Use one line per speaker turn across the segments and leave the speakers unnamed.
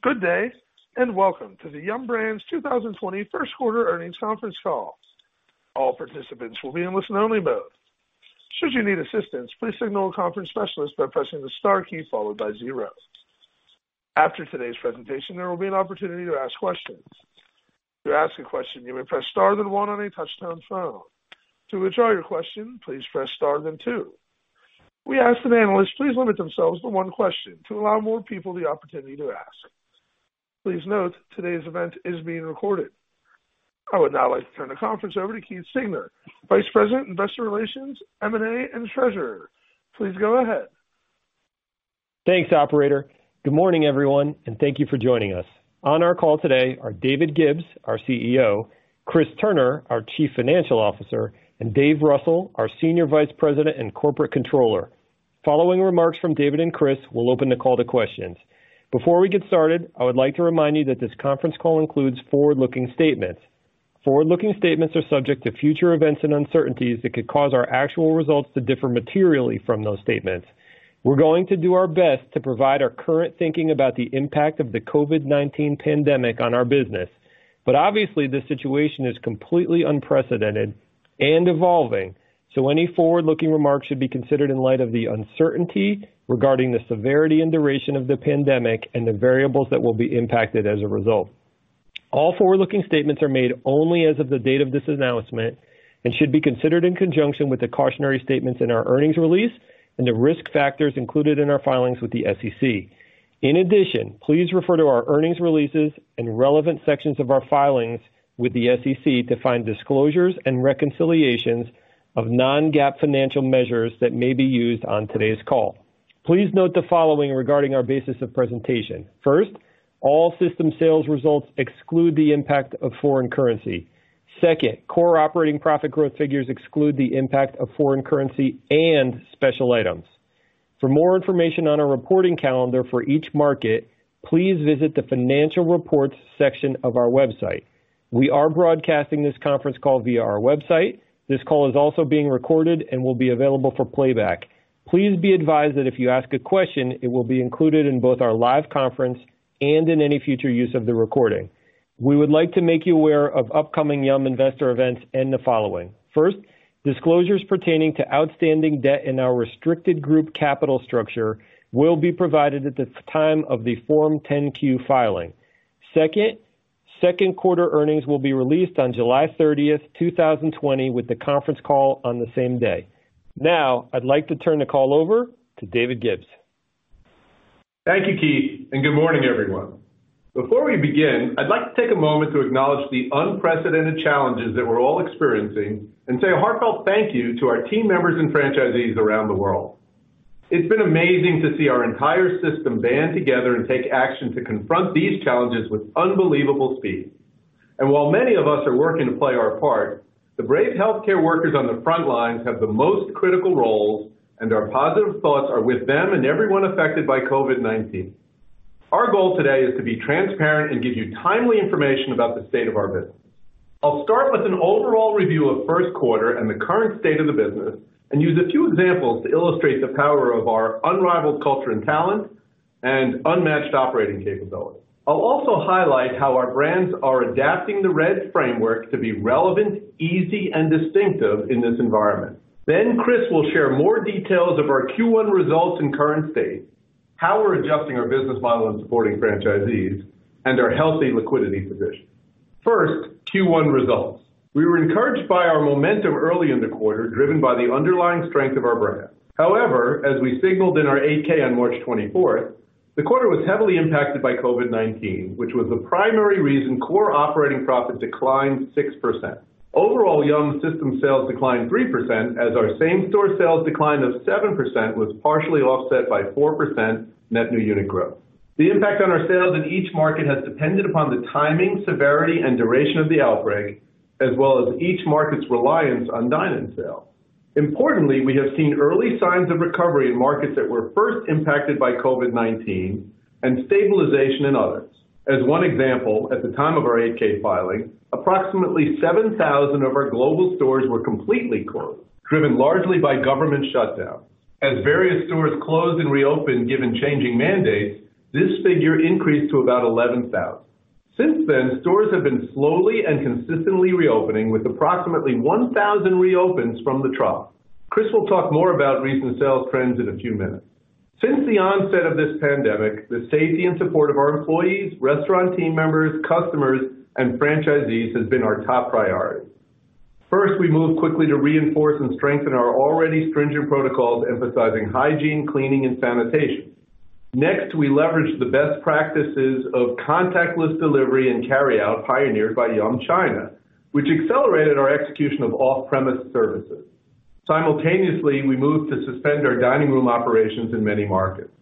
Good day, welcome to the Yum! Brands 2020 first quarter earnings conference call. All participants will be in listen only mode. Should you need assistance, please signal a conference specialist by pressing the star key followed by zero. After today's presentation, there will be an opportunity to ask questions. To ask a question, you may press star then one on a touch-tone phone. To withdraw your question, please press star then two. We ask that analysts please limit themselves to one question to allow more people the opportunity to ask. Please note today's event is being recorded. I would now like to turn the conference over to Keith Siegner, Vice President, Investor Relations, M&A, and Treasurer. Please go ahead.
Thanks, operator. Good morning, everyone, thank you for joining us. On our call today are David Gibbs, our CEO, Chris Turner, our Chief Financial Officer, and David Russell, our Senior Vice President and Corporate Controller. Following remarks from David and Chris, we'll open the call to questions. Before we get started, I would like to remind you that this conference call includes forward-looking statements. Forward-looking statements are subject to future events and uncertainties that could cause our actual results to differ materially from those statements. We're going to do our best to provide our current thinking about the impact of the COVID-19 pandemic on our business. Obviously, this situation is completely unprecedented and evolving, so any forward-looking remarks should be considered in light of the uncertainty regarding the severity and duration of the pandemic and the variables that will be impacted as a result. All forward-looking statements are made only as of the date of this announcement and should be considered in conjunction with the cautionary statements in our earnings release and the risk factors included in our filings with the SEC. In addition, please refer to our earnings releases and relevant sections of our filings with the SEC to find disclosures and reconciliations of non-GAAP financial measures that may be used on today's call. Please note the following regarding our basis of presentation. First, all system sales results exclude the impact of foreign currency. Second, core operating profit growth figures exclude the impact of foreign currency and special items. For more information on our reporting calendar for each market, please visit the financial reports section of our website. We are broadcasting this conference call via our website. This call is also being recorded and will be available for playback. Please be advised that if you ask a question, it will be included in both our live conference and in any future use of the recording. We would like to make you aware of upcoming Yum! investor events and the following. First, disclosures pertaining to outstanding debt in our restricted group capital structure will be provided at the time of the Form 10-Q filing. Second, second quarter earnings will be released on July 30th, 2020 with the conference call on the same day. I'd like to turn the call over to David Gibbs.
Thank you, Keith, and good morning, everyone. Before we begin, I'd like to take a moment to acknowledge the unprecedented challenges that we're all experiencing and say a heartfelt thank you to our team members and franchisees around the world. It's been amazing to see our entire system band together and take action to confront these challenges with unbelievable speed. While many of us are working to play our part, the brave healthcare workers on the front lines have the most critical roles, and our positive thoughts are with them and everyone affected by COVID-19. Our goal today is to be transparent and give you timely information about the state of our business. I'll start with an overall review of first quarter and the current state of the business and use a few examples to illustrate the power of our unrivaled culture and talent and unmatched operating capabilities. I'll also highlight how our brands are adapting the R.E.D. framework to be relevant, easy, and distinctive in this environment. Chris will share more details of our Q1 results and current state, how we're adjusting our business model and supporting franchisees, and our healthy liquidity position. First, Q1 results. We were encouraged by our momentum early in the quarter, driven by the underlying strength of our brands. However, as we signaled in our 8-K on March 24th, the quarter was heavily impacted by COVID-19, which was the primary reason core operating profit declined 6%. Overall, Yum! system sales declined 3% as our same-store sales decline of 7% was partially offset by 4% net new unit growth. The impact on our sales in each market has depended upon the timing, severity, and duration of the outbreak, as well as each market's reliance on dine-in sales. Importantly, we have seen early signs of recovery in markets that were first impacted by COVID-19 and stabilization in others. As one example, at the time of our 8-K filing, approximately 7,000 of our global stores were completely closed, driven largely by government shutdown. As various stores closed and reopened given changing mandates, this figure increased to about 11,000. Since then, stores have been slowly and consistently reopening with approximately 1,000 reopens from the trough. Chris will talk more about recent sales trends in a few minutes. Since the onset of this pandemic, the safety and support of our employees, restaurant team members, customers, and franchisees has been our top priority. First, we moved quickly to reinforce and strengthen our already stringent protocols emphasizing hygiene, cleaning, and sanitation. Next, we leveraged the best practices of contactless delivery and carryout pioneered by Yum China, which accelerated our execution of off-premise services. Simultaneously, we moved to suspend our dining room operations in many markets.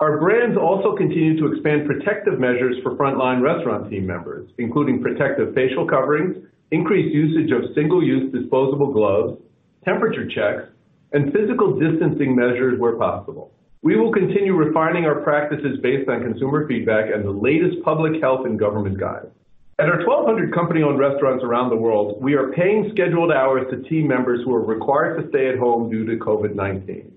Our brands also continued to expand protective measures for frontline restaurant team members, including protective facial coverings, increased usage of single-use disposable gloves, temperature checks, and physical distancing measures where possible. We will continue refining our practices based on consumer feedback and the latest public health and government guidance. At our 1,200 company-owned restaurants around the world, we are paying scheduled hours to team members who are required to stay at home due to COVID-19.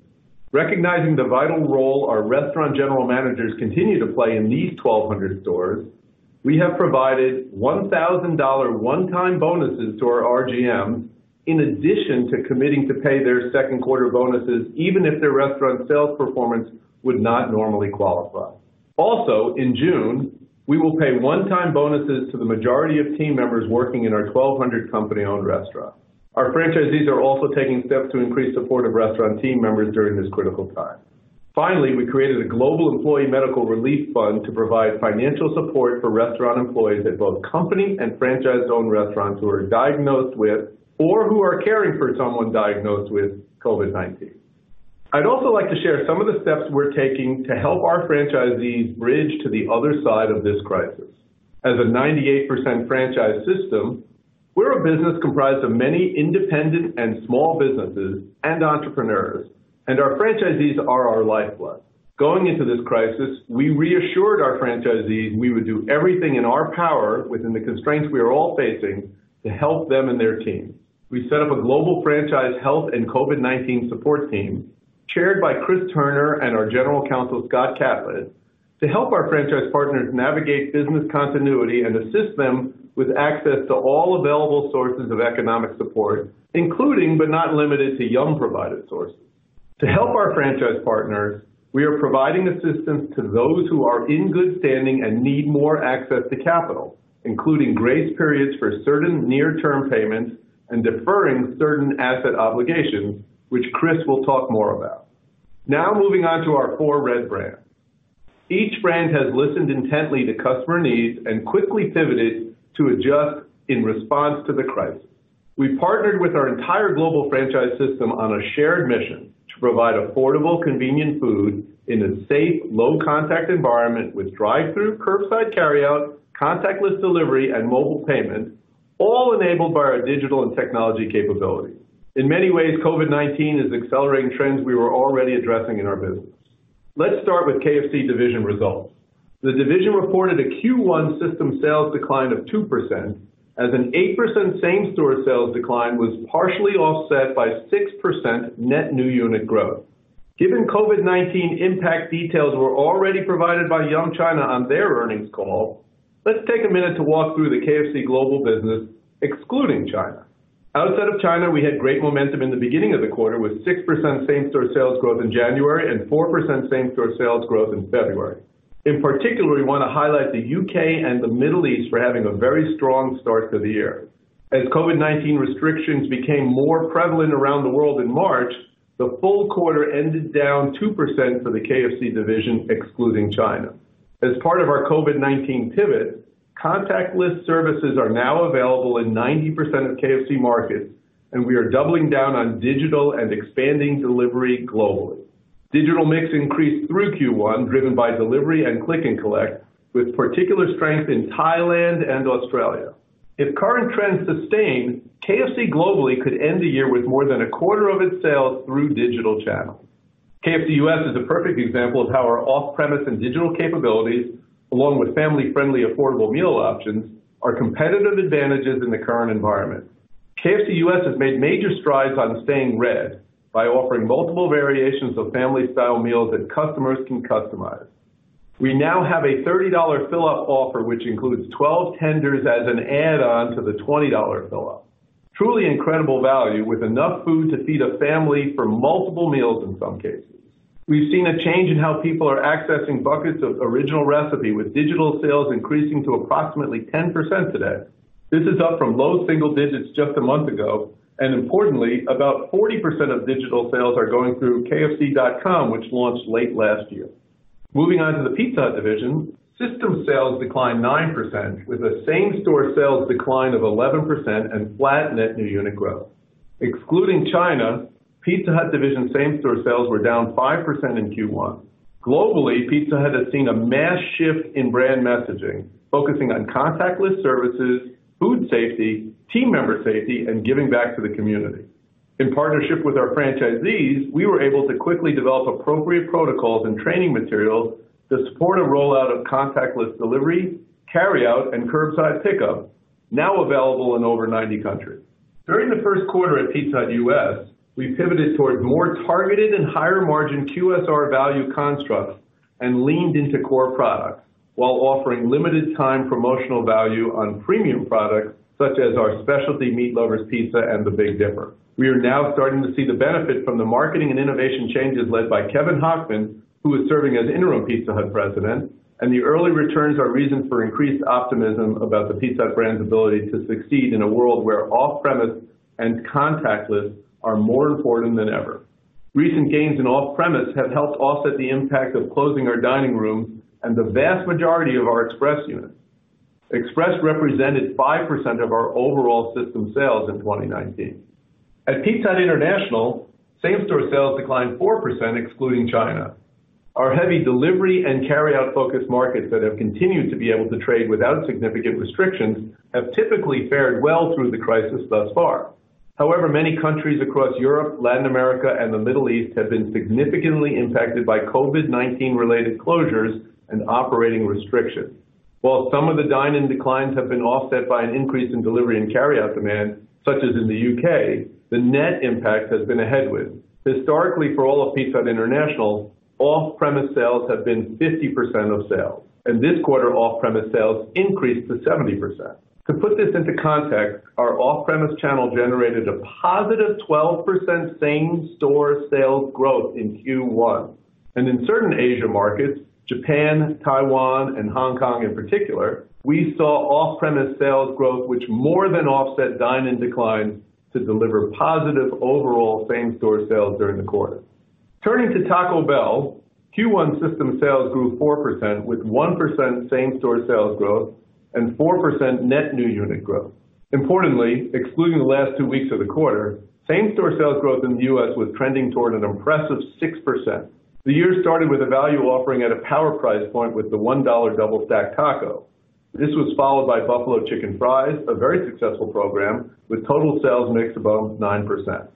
Recognizing the vital role our restaurant general managers continue to play in these 1,200 stores, we have provided $1,000 one-time bonuses to our RGMs, in addition to committing to pay their second quarter bonuses, even if their restaurant sales performance would not normally qualify. Also, in June, we will pay one-time bonuses to the majority of team members working in our 1,200 company-owned restaurants. Our franchisees are also taking steps to increase support of restaurant team members during this critical time. Finally, we created a global employee medical relief fund to provide financial support for restaurant employees at both company and franchise-owned restaurants who are diagnosed with, or who are caring for someone diagnosed with COVID-19. I'd also like to share some of the steps we're taking to help our franchisees bridge to the other side of this crisis. As a 98% franchise system, we're a business comprised of many independent and small businesses and entrepreneurs, and our franchisees are our lifeblood. Going into this crisis, we reassured our franchisees we would do everything in our power, within the constraints we are all facing, to help them and their team. We set up a global franchise health and COVID-19 support team, chaired by Chris Turner and our General Counsel, Scott Catlett, to help our franchise partners navigate business continuity and assist them with access to all available sources of economic support, including, but not limited to, Yum!-provided sources. To help our franchise partners, we are providing assistance to those who are in good standing and need more access to capital, including grace periods for certain near-term payments and deferring certain asset obligations, which Chris will talk more about. Now moving on to our four R.E.D. brands. Each brand has listened intently to customer needs and quickly pivoted to adjust in response to the crisis. We've partnered with our entire global franchise system on a shared mission to provide affordable, convenient food in a safe, low-contact environment with drive-through, curbside carry-out, contactless delivery, and mobile payment, all enabled by our digital and technology capabilities. In many ways, COVID-19 is accelerating trends we were already addressing in our business. Let's start with KFC division results. The division reported a Q1 system sales decline of 2%, as an 8% same-store sales decline was partially offset by 6% net new unit growth. Given COVID-19 impact details were already provided by Yum China on their earnings call, let's take a minute to walk through the KFC global business, excluding China. Outside of China, we had great momentum in the beginning of the quarter with 6% same-store sales growth in January and 4% same-store sales growth in February. In particular, we want to highlight the U.K. and the Middle East for having a very strong start to the year. As COVID-19 restrictions became more prevalent around the world in March, the full quarter ended down 2% for the KFC division, excluding China. As part of our COVID-19 pivot, contactless services are now available in 90% of KFC markets, and we are doubling down on digital and expanding delivery globally. Digital mix increased through Q1, driven by delivery and click and collect, with particular strength in Thailand and Australia. If current trends sustain, KFC globally could end the year with more than a quarter of its sales through digital channels. KFC U.S. is a perfect example of how our off-premise and digital capabilities, along with family-friendly affordable meal options, are competitive advantages in the current environment. KFC U.S. has made major strides on staying R.E.D. by offering multiple variations of family-style meals that customers can customize. We now have a $30 Fill Up offer, which includes 12 tenders as an add-on to the $20 Fill Up. Truly incredible value with enough food to feed a family for multiple meals in some cases. We've seen a change in how people are accessing buckets of Original Recipe, with digital sales increasing to approximately 10% today. This is up from low single digits just a month ago, and importantly, about 40% of digital sales are going through kfc.com, which launched late last year. Moving on to the Pizza Hut division, system sales declined 9%, with a same-store sales decline of 11% and flat net new unit growth. Excluding China, Pizza Hut division same-store sales were down 5% in Q1. Globally, Pizza Hut has seen a mass shift in brand messaging, focusing on contactless services, food safety, team member safety, and giving back to the community. In partnership with our franchisees, we were able to quickly develop appropriate protocols and training materials to support a rollout of contactless delivery, carryout, and curbside pickup, now available in over 90 countries. During the first quarter at Pizza Hut U.S., we pivoted towards more targeted and higher-margin QSR value constructs and leaned into core products while offering limited-time promotional value on premium products, such as our specialty Meat Lover's Pizza and the Big Dipper. We are now starting to see the benefit from the marketing and innovation changes led by Kevin Hochman, who is serving as interim Pizza Hut president, and the early returns are reason for increased optimism about the Pizza Hut brand's ability to succeed in a world where off-premise and contactless are more important than ever. Recent gains in off-premise have helped offset the impact of closing our dining rooms and the vast majority of our Express units. Express represented 5% of our overall system sales in 2019. At Pizza Hut International, same-store sales declined 4%, excluding China. Our heavy delivery and carryout-focused markets that have continued to be able to trade without significant restrictions have typically fared well through the crisis thus far. However, many countries across Europe, Latin America, and the Middle East have been significantly impacted by COVID-19-related closures and operating restrictions. While some of the dine-in declines have been offset by an increase in delivery and carryout demand, such as in the U.K., the net impact has been a headwind. Historically, for all of Pizza Hut International, off-premise sales have been 50% of sales. In this quarter, off-premise sales increased to 70%. To put this into context, our off-premise channel generated a positive 12% same-store sales growth in Q1. In certain Asia markets, Japan, Taiwan, and Hong Kong in particular, we saw off-premise sales growth which more than offset dine-in declines to deliver positive overall same-store sales during the quarter. Turning to Taco Bell, Q1 system sales grew 4% with 1% same-store sales growth and 4% net new unit growth. Importantly, excluding the last two weeks of the quarter, same-store sales growth in the U.S. was trending toward an impressive 6%. The year started with a value offering at a power price point with the $1 Double Stacked Taco. This was followed by Buffalo Chicken Fries, a very successful program with total sales mix above 9%.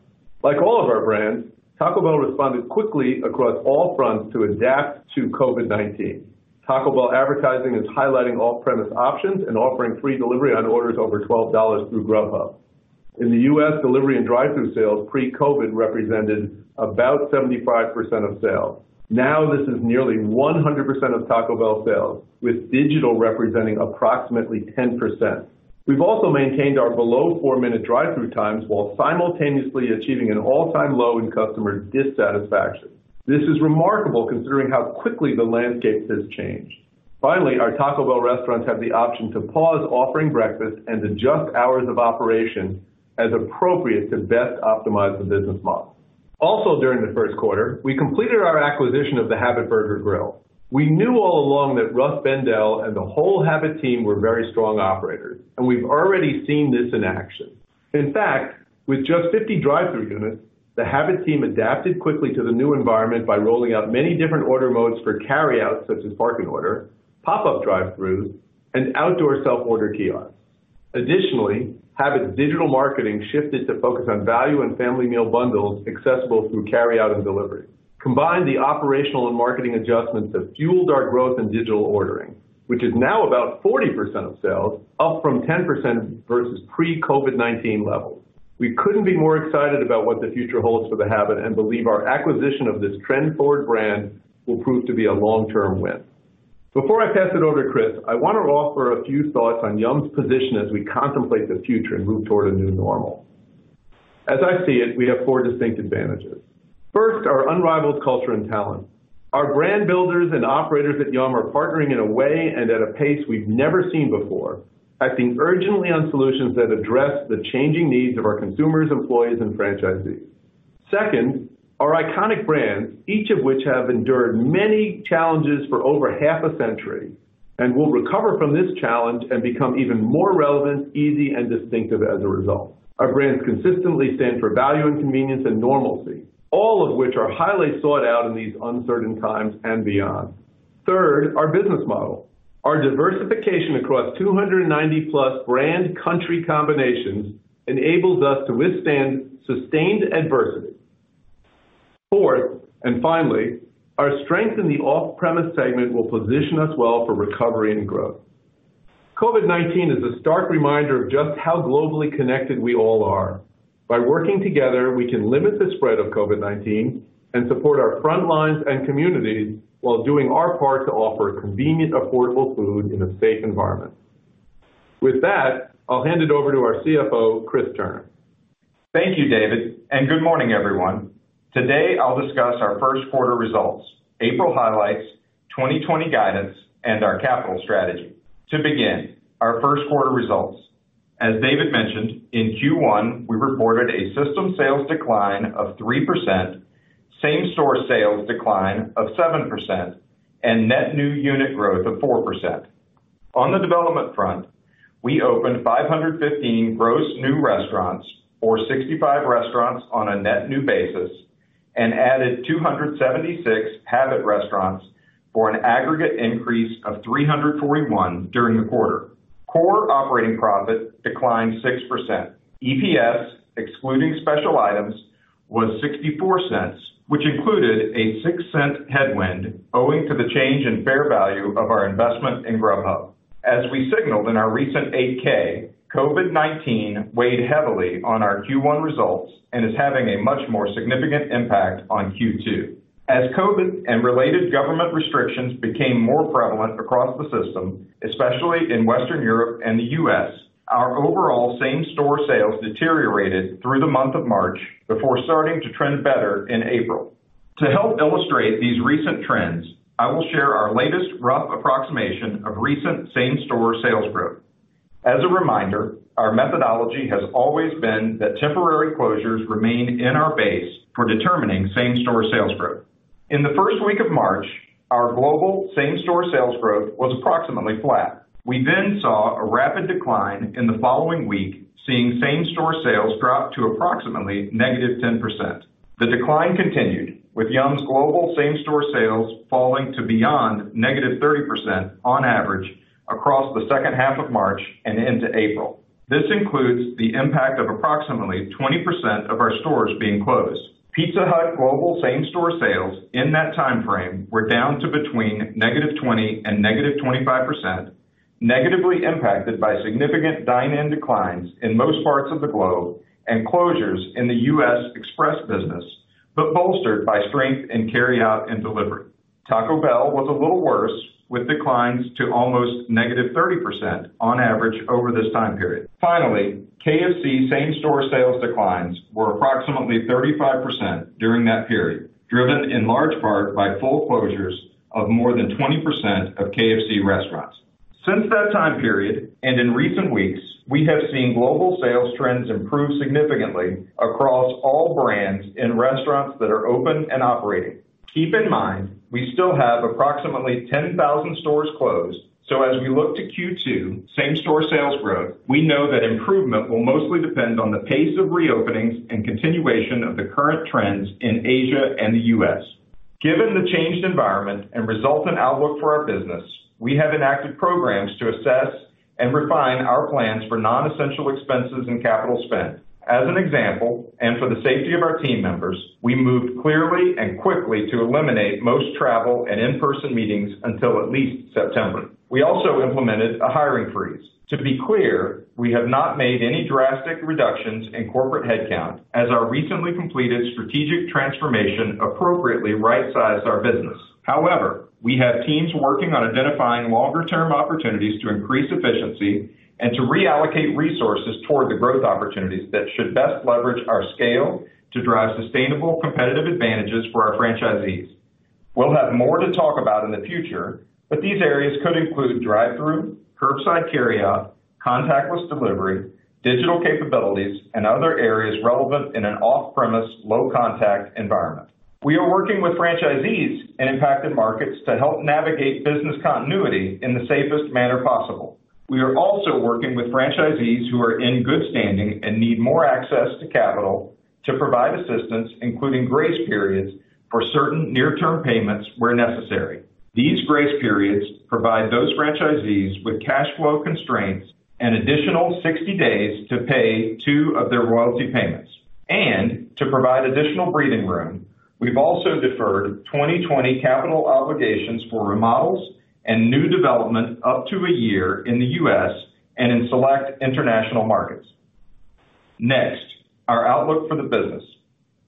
Like all of our brands, Taco Bell responded quickly across all fronts to adapt to COVID-19. Taco Bell advertising is highlighting off-premise options and offering free delivery on orders over $12 through Grubhub. In the U.S., delivery and drive-through sales pre-COVID represented about 75% of sales. Now this is nearly 100% of Taco Bell sales, with digital representing approximately 10%. We've also maintained our below four-minute drive-through times while simultaneously achieving an all-time low in customer dissatisfaction. This is remarkable considering how quickly the landscape has changed. Finally, our Taco Bell restaurants have the option to pause offering breakfast and adjust hours of operation as appropriate to best optimize the business model. Also, during the first quarter, we completed our acquisition of The Habit Burger Grill. We knew all along that Russ Bendel and the whole Habit team were very strong operators, and we've already seen this in action. In fact, with just 50 drive-through units, The Habit team adapted quickly to the new environment by rolling out many different order modes for carryout, such as park and order, pop-up drive-throughs, and outdoor self-order kiosks. Additionally, Habit's digital marketing shifted to focus on value and family meal bundles accessible through carryout and delivery. Combined, the operational and marketing adjustments have fueled our growth in digital ordering, which is now about 40% of sales, up from 10% versus pre-COVID-19 levels. We couldn't be more excited about what the future holds for The Habit and believe our acquisition of this trend-forward brand will prove to be a long-term win. Before I pass it over to Chris, I want to offer a few thoughts on Yum!'s position as we contemplate the future and move toward a new normal. As I see it, we have four distinct advantages. First, our unrivaled culture and talent. Our brand builders and operators at Yum! are partnering in a way and at a pace we've never seen before, acting urgently on solutions that address the changing needs of our consumers, employees, and franchisees. Second, our iconic brands, each of which have endured many challenges for over half a century and will recover from this challenge and become even more relevant, easy, and distinctive as a result. Our brands consistently stand for value and convenience and normalcy, all of which are highly sought out in these uncertain times and beyond. Third, our business model. Our diversification across 290 plus brand country combinations enables us to withstand sustained adversity. Fourth, finally, our strength in the off-premise segment will position us well for recovery and growth. COVID-19 is a stark reminder of just how globally connected we all are. By working together, we can limit the spread of COVID-19 and support our frontlines and communities while doing our part to offer convenient, affordable food in a safe environment. With that, I'll hand it over to our CFO, Chris Turner.
Thank you, David, and good morning, everyone. Today, I'll discuss our first quarter results, April highlights, 2020 guidance, and our capital strategy. To begin, our first quarter results. As David mentioned, in Q1, we reported a system sales decline of 3%, same-store sales decline of 7%, and net new unit growth of 4%. On the development front, we opened 515 gross new restaurants or 65 restaurants on a net new basis and added 276 Habit restaurants for an aggregate increase of 341 during the quarter. Core operating profit declined 6%. EPS, excluding special items, was $0.64, which included a $0.06 headwind owing to the change in fair value of our investment in Grubhub. As we signaled in our recent 8-K, COVID-19 weighed heavily on our Q1 results and is having a much more significant impact on Q2. As COVID and related government restrictions became more prevalent across the system, especially in Western Europe and the U.S., our overall same-store sales deteriorated through the month of March before starting to trend better in April. To help illustrate these recent trends, I will share our latest rough approximation of recent same-store sales growth. As a reminder, our methodology has always been that temporary closures remain in our base for determining same-store sales growth. In the first week of March, our global same-store sales growth was approximately flat. We saw a rapid decline in the following week, seeing same-store sales drop to approximately negative 10%. The decline continued, with Yum!'s global same-store sales falling to beyond negative 30% on average across the second half of March and into April. This includes the impact of approximately 20% of our stores being closed. Pizza Hut global same-store sales in that time frame were down to between -20% and -25%. Negatively impacted by significant dine-in declines in most parts of the globe and closures in the U.S. Express business, but bolstered by strength in carryout and delivery. Taco Bell was a little worse, with declines to almost -30% on average over this time period. Finally, KFC same-store sales declines were approximately 35% during that period, driven in large part by full closures of more than 20% of KFC restaurants. Since that time period, and in recent weeks, we have seen global sales trends improve significantly across all brands in restaurants that are open and operating. Keep in mind, we still have approximately 10,000 stores closed, so as we look to Q2 same-store sales growth, we know that improvement will mostly depend on the pace of reopenings and continuation of the current trends in Asia and the U.S. Given the changed environment and resultant outlook for our business, we have enacted programs to assess and refine our plans for non-essential expenses and capital spend. As an example, and for the safety of our team members, we moved clearly and quickly to eliminate most travel and in-person meetings until at least September. We also implemented a hiring freeze. To be clear, we have not made any drastic reductions in corporate headcount as our recently completed strategic transformation appropriately right-sized our business. However, we have teams working on identifying longer-term opportunities to increase efficiency and to reallocate resources toward the growth opportunities that should best leverage our scale to drive sustainable competitive advantages for our franchisees. We'll have more to talk about in the future, but these areas could include drive-thru, curbside carryout, contactless delivery, digital capabilities, and other areas relevant in an off-premise, low-contact environment. We are working with franchisees in impacted markets to help navigate business continuity in the safest manner possible. We are also working with franchisees who are in good standing and need more access to capital to provide assistance, including grace periods for certain near-term payments where necessary. These grace periods provide those franchisees with cash flow constraints an additional 60 days to pay two of their royalty payments. To provide additional breathing room, we've also deferred 2020 capital obligations for remodels and new development up to a year in the U.S. and in select international markets. Next, our outlook for the business.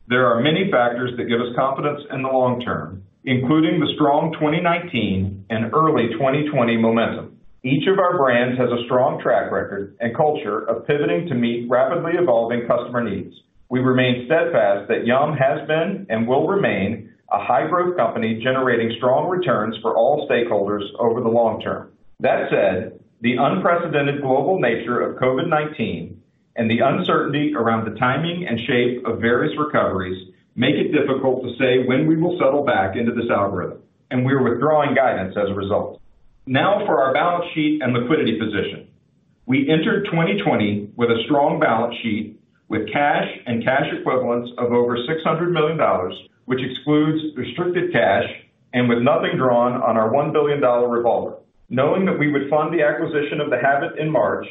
There are many factors that give us confidence in the long term, including the strong 2019 and early 2020 momentum. Each of our brands has a strong track record and culture of pivoting to meet rapidly evolving customer needs. We remain steadfast that Yum! has been and will remain a high-growth company generating strong returns for all stakeholders over the long term. That said, the unprecedented global nature of COVID-19 and the uncertainty around the timing and shape of various recoveries make it difficult to say when we will settle back into this algorithm, and we're withdrawing guidance as a result. For our balance sheet and liquidity position. We entered 2020 with a strong balance sheet with cash and cash equivalents of over $600 million, which excludes restricted cash, and with nothing drawn on our $1 billion revolver. Knowing that we would fund the acquisition of The Habit in March,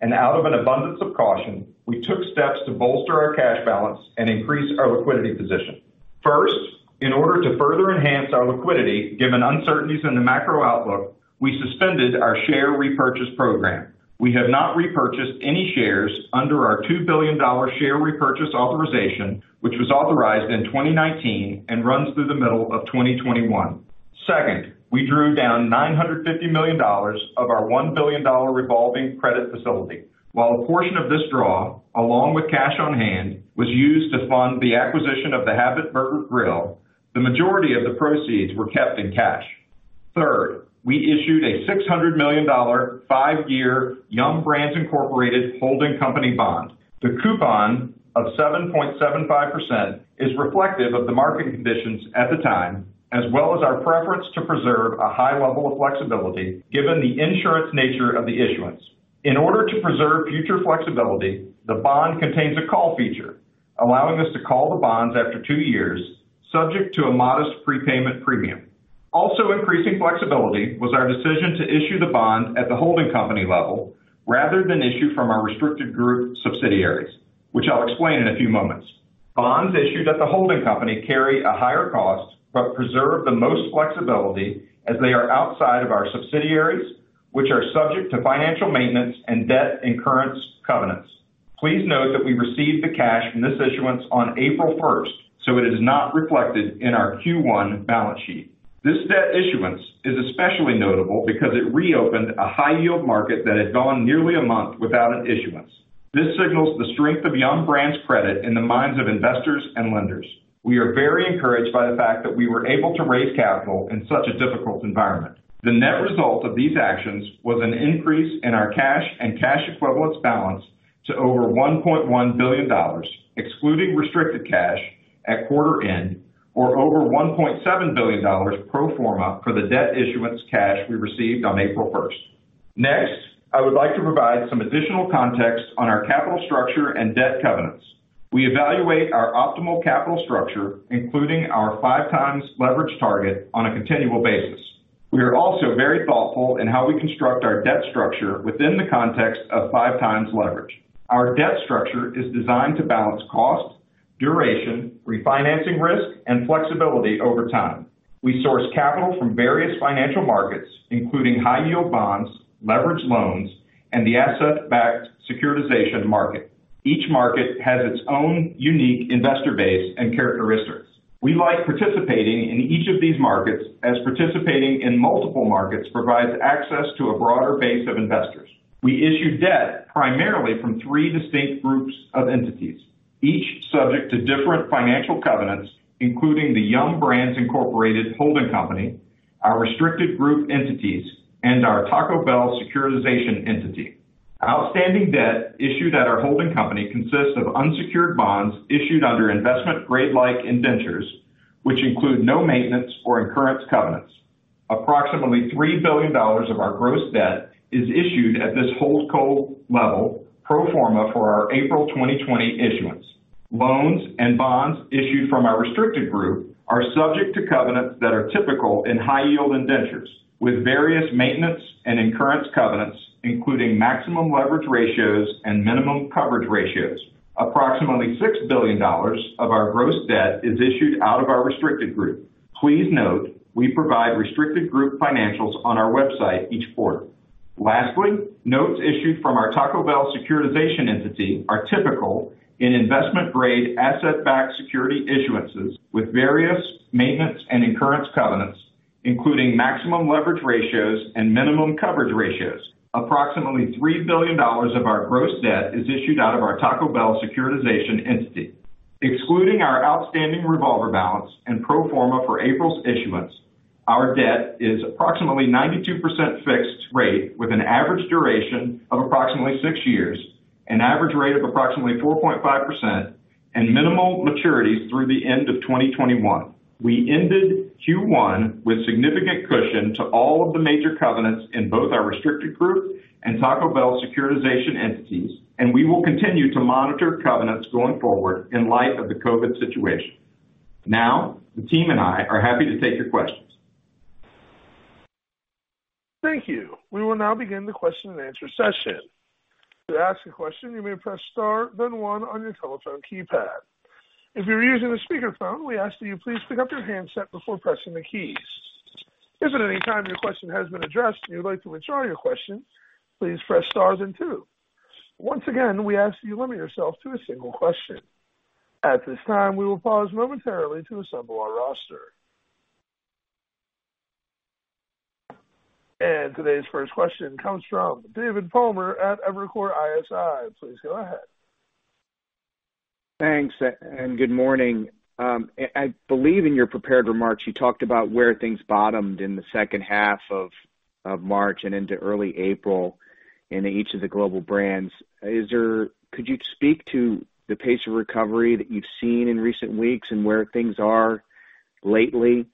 and out of an abundance of caution, we took steps to bolster our cash balance and increase our liquidity position. First, in order to further enhance our liquidity, given uncertainties in the macro outlook, we suspended our share repurchase program. We have not repurchased any shares under our $2 billion share repurchase authorization, which was authorized in 2019 and runs through the middle of 2021. Second, we drew down $950 million of our $1 billion revolving credit facility. While a portion of this draw, along with cash on hand, was used to fund the acquisition of The Habit Burger Grill, the majority of the proceeds were kept in cash. Third, we issued a $600 million five-year Yum! Brands, Inc. holding company bond. The coupon of 7.75% is reflective of the market conditions at the time, as well as our preference to preserve a high level of flexibility given the insurance nature of the issuance. In order to preserve future flexibility, the bond contains a call feature, allowing us to call the bonds after two years, subject to a modest prepayment premium. Also increasing flexibility was our decision to issue the bond at the holding company level rather than issue from our restricted group subsidiaries, which I'll explain in a few moments. Bonds issued at the holding company carry a higher cost but preserve the most flexibility as they are outside of our subsidiaries, which are subject to financial maintenance and debt incurrence covenants. Please note that we received the cash from this issuance on April 1st, so it is not reflected in our Q1 balance sheet. This debt issuance is especially notable because it reopened a high-yield market that had gone nearly one month without an issuance. This signals the strength of Yum! Brands' credit in the minds of investors and lenders. We are very encouraged by the fact that we were able to raise capital in such a difficult environment. The net result of these actions was an increase in our cash and cash equivalents balance to over $1.1 billion, excluding restricted cash at quarter end or over $1.7 billion pro forma for the debt issuance cash we received on April 1st. I would like to provide some additional context on our capital structure and debt covenants. We evaluate our optimal capital structure, including our 5x leverage target, on a continual basis. We are also very thoughtful in how we construct our debt structure within the context of 5x leverage. Our debt structure is designed to balance cost, duration, refinancing risk, and flexibility over time. We source capital from various financial markets, including high-yield bonds, leverage loans, and the asset-backed securitization market. Each market has its own unique investor base and characteristics. We like participating in each of these markets, as participating in multiple markets provides access to a broader base of investors. We issue debt primarily from three distinct groups of entities, each subject to different financial covenants, including the Yum! Brands, Inc. holding company, our restricted group entities, and our Taco Bell securitization entity. Outstanding debt issued at our holding company consists of unsecured bonds issued under investment grade-like indentures, which include no maintenance or incurrence covenants. Approximately $3 billion of our gross debt is issued at this holdco level, pro forma for our April 2020 issuance. Loans and bonds issued from our restricted group are subject to covenants that are typical in high-yield indentures, with various maintenance and incurrence covenants, including maximum leverage ratios and minimum coverage ratios. Approximately $6 billion of our gross debt is issued out of our restricted group. Please note, we provide restricted group financials on our website each quarter. Lastly, notes issued from our Taco Bell securitization entity are typical in investment-grade asset-backed security issuances with various maintenance and incurrence covenants, including maximum leverage ratios and minimum coverage ratios. Approximately $3 billion of our gross debt is issued out of our Taco Bell securitization entity. Excluding our outstanding revolver balance and pro forma for April's issuance, our debt is approximately 92% fixed rate with an average duration of approximately six years, an average rate of approximately 4.5%, and minimal maturities through the end of 2021. We ended Q1 with significant cushion to all of the major covenants in both our restricted group and Taco Bell securitization entities. We will continue to monitor covenants going forward in light of the COVID-19 situation. Now, the team and I are happy to take your questions.
Thank you. We will now begin the question and answer session. To ask a question, you may press star then one on your telephone keypad. If you're using a speakerphone, we ask that you please pick up your handset before pressing the keys. If at any time your question has been addressed and you'd like to withdraw your question, please press star then two. Once again, we ask that you limit yourself to a single question. At this time, we will pause momentarily to assemble our roster. Today's first question comes from David Palmer at Evercore ISI. Please go ahead.
Thanks. Good morning. I believe in your prepared remarks, you talked about where things bottomed in the second half of March and into early April in each of the global brands. Could you speak to the pace of recovery that you've seen in recent weeks and where things are lately?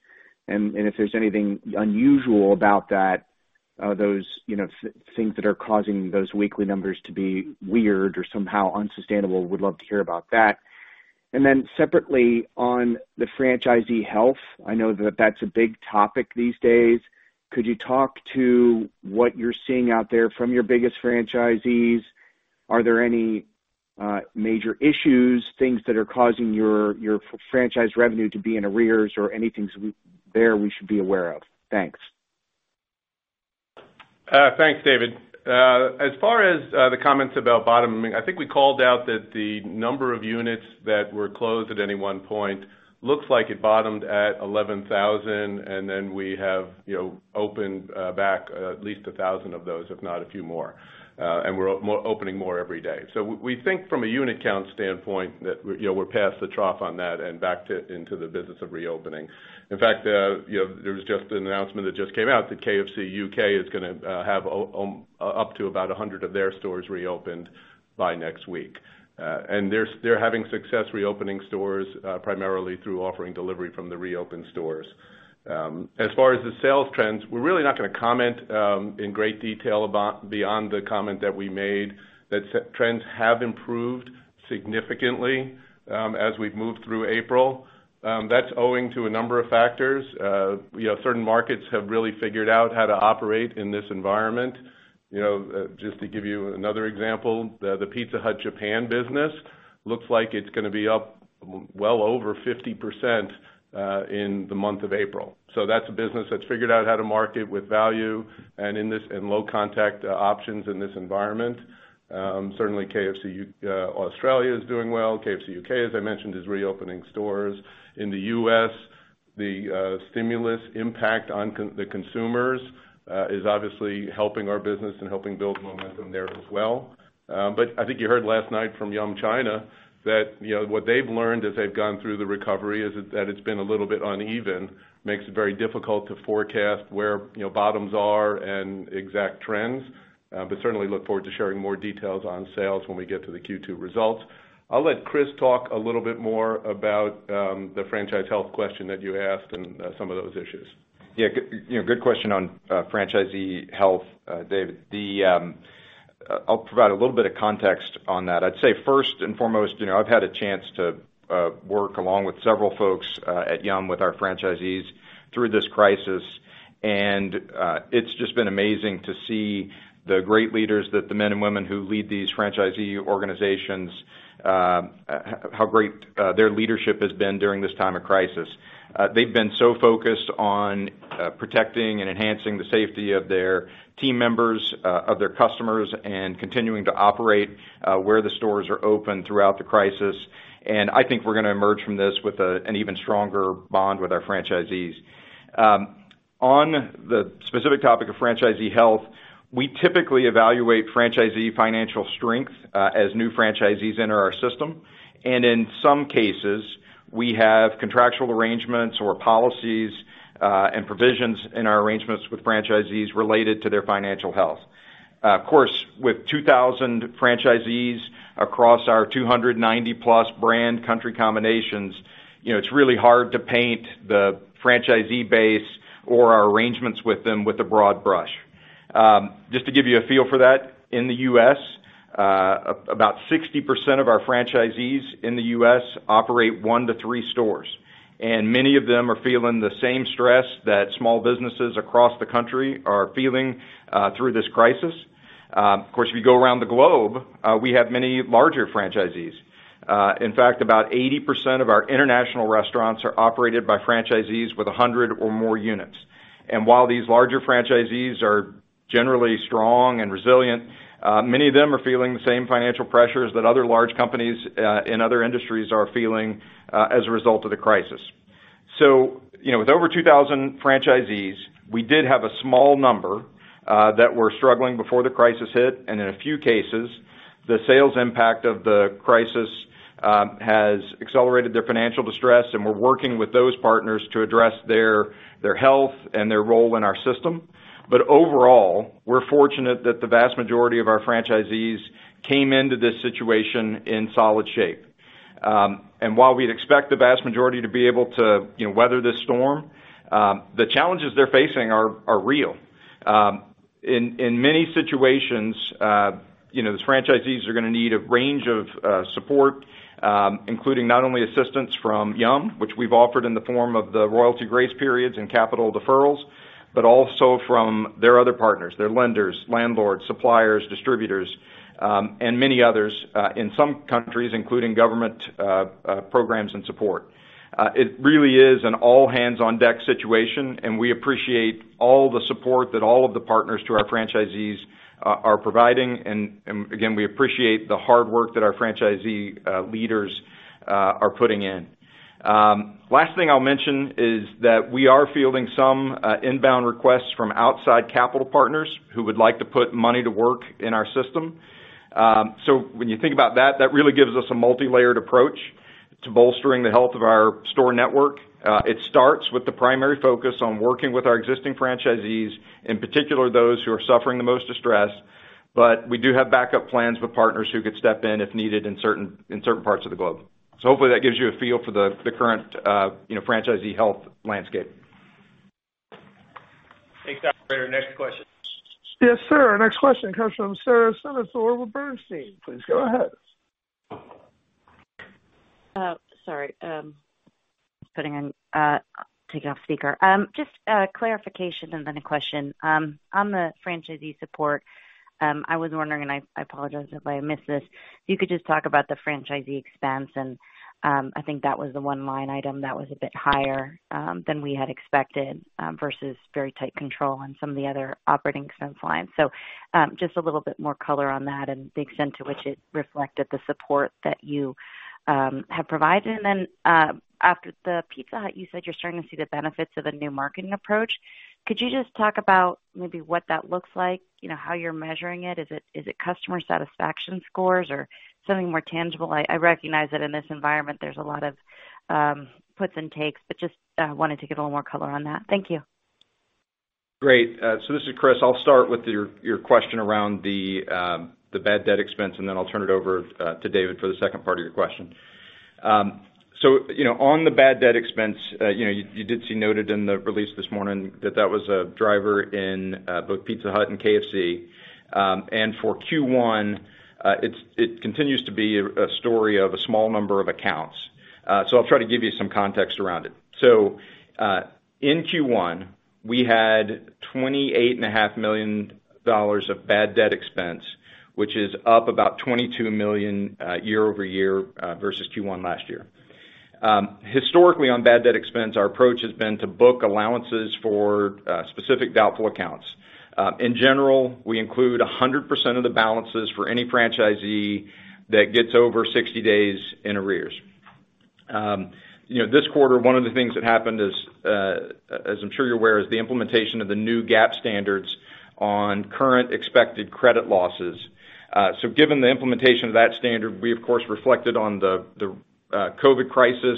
If there's anything unusual about that, those things that are causing those weekly numbers to be weird or somehow unsustainable, would love to hear about that. Then separately, on the franchisee health, I know that that's a big topic these days. Could you talk to what you're seeing out there from your biggest franchisees? Are there any major issues, things that are causing your franchise revenue to be in arrears or anything there we should be aware of? Thanks.
Thanks, David. As far as the comments about bottoming, I think we called out that the number of units that were closed at any one point looks like it bottomed at 11,000, and then we have opened back at least 1,000 of those, if not a few more. We're opening more every day. We think from a unit count standpoint that we're past the trough on that and back into the business of reopening. In fact, there was just an announcement that just came out that KFC U.K. is going to have up to about 100 of their stores reopened by next week. They're having success reopening stores, primarily through offering delivery from the reopened stores. As far as the sales trends, we're really not going to comment in great detail beyond the comment that we made that trends have improved significantly as we've moved through April. That's owing to a number of factors. Certain markets have really figured out how to operate in this environment. Just to give you another example, the Pizza Hut Japan business looks like it's going to be up well over 50% in the month of April. That's a business that's figured out how to market with value and low contact options in this environment. Certainly, KFC Australia is doing well. KFC U.K., as I mentioned, is reopening stores. In the U.S., the stimulus impact on the consumers is obviously helping our business and helping build momentum there as well. I think you heard last night from Yum China that what they've learned as they've gone through the recovery is that it's been a little bit uneven, makes it very difficult to forecast where bottoms are and exact trends. Certainly look forward to sharing more details on sales when we get to the Q2 results. I'll let Chris talk a little bit more about the franchise health question that you asked and some of those issues.
Good question on franchisee health, David. I'll provide a little bit of context on that. I'd say first and foremost, I've had a chance to work along with several folks at Yum! with our franchisees through this crisis. It's just been amazing to see the great leaders that the men and women who lead these franchisee organizations, how great their leadership has been during this time of crisis. They've been so focused on protecting and enhancing the safety of their team members, of their customers, and continuing to operate where the stores are open throughout the crisis. I think we're going to emerge from this with an even stronger bond with our franchisees. On the specific topic of franchisee health, we typically evaluate franchisee financial strength as new franchisees enter our system. In some cases, we have contractual arrangements or policies, and provisions in our arrangements with franchisees related to their financial health. Of course, with 2,000 franchisees across our 290+ brand country combinations, it's really hard to paint the franchisee base or our arrangements with them with a broad brush. Just to give you a feel for that, in the U.S., about 60% of our franchisees in the U.S. operate one to three stores, and many of them are feeling the same stress that small businesses across the country are feeling through this crisis. Of course, if you go around the globe, we have many larger franchisees. In fact, about 80% of our international restaurants are operated by franchisees with 100 or more units. While these larger franchisees are generally strong and resilient, many of them are feeling the same financial pressures that other large companies in other industries are feeling as a result of the crisis. With over 2,000 franchisees, we did have a small number that were struggling before the crisis hit, and in a few cases, the sales impact of the crisis has accelerated their financial distress, and we're working with those partners to address their health and their role in our system. Overall, we're fortunate that the vast majority of our franchisees came into this situation in solid shape. While we'd expect the vast majority to be able to weather this storm, the challenges they're facing are real. In many situations, those franchisees are going to need a range of support, including not only assistance from Yum!, which we've offered in the form of the royalty grace periods and capital deferrals, but also from their other partners, their lenders, landlords, suppliers, distributors, and many others, including government programs and support in some countries. It really is an all-hands-on-deck situation, and we appreciate all the support that all of the partners to our franchisees are providing. Again, we appreciate the hard work that our franchisee leaders are putting in. Last thing I'll mention is that we are fielding some inbound requests from outside capital partners who would like to put money to work in our system. When you think about that really gives us a multilayered approach to bolstering the health of our store network. It starts with the primary focus on working with our existing franchisees, in particular, those who are suffering the most distress. We do have backup plans with partners who could step in if needed in certain parts of the globe. Hopefully, that gives you a feel for the current franchisee health landscape.
Thanks, operator. Next question.
Yes, sir. Next question comes from Sara Senatore, Bernstein. Please go ahead.
Sorry. Just taking off speaker. Just a clarification and then a question. On the franchisee support, I was wondering, and I apologize if I missed this, if you could just talk about the franchisee expense and, I think that was the one line item that was a bit higher than we had expected, versus very tight control on some of the other operating expense lines. Just a little bit more color on that and the extent to which it reflected the support that you have provided. After the Pizza Hut, you said you're starting to see the benefits of a new marketing approach. Could you just talk about maybe what that looks like? How you're measuring it? Is it customer satisfaction scores or something more tangible? I recognize that in this environment, there's a lot of puts and takes, but just wanted to get a little more color on that. Thank you.
Great. This is Chris. I'll start with your question around the bad debt expense, and then I'll turn it over to David for the second part of your question. On the bad debt expense, you did see noted in the release this morning that that was a driver in both Pizza Hut and KFC. For Q1, it continues to be a story of a small number of accounts. I'll try to give you some context around it. In Q1, we had $28.5 million of bad debt expense, which is up about $22 million year-over-year versus Q1 last year. Historically, on bad debt expense, our approach has been to book allowances for specific doubtful accounts. In general, we include 100% of the balances for any franchisee that gets over 60 days in arrears. This quarter, one of the things that happened is, as I'm sure you're aware, is the implementation of the new GAAP standards on Current Expected Credit Losses. Given the implementation of that standard, we of course reflected on the COVID crisis,